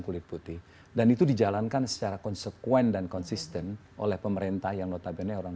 kulit putih dan itu dijalankan secara konsekuen dan konsisten oleh pemerintah yang notabene orang